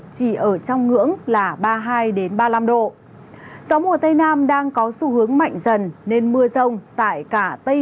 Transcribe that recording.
chỉ ở trong ngưỡng là ba mươi hai ba mươi năm độ gió mùa tây nam đang có xu hướng mạnh dần nên mưa rông tại cả tây